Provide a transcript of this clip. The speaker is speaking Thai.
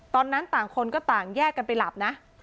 ตอนนั้นต่างคนก็ต่างแยกกันไปหลับนะ